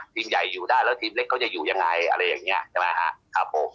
ทีมใหญ่อยู่ได้แล้วทีมเล็กเขาจะอยู่ยังไงอะไรอย่างนี้ใช่ไหมครับผม